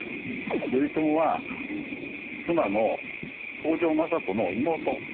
頼朝は妻の北条政子の妹